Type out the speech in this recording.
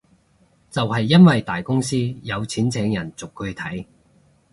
就係因為大公司有錢請人逐句睇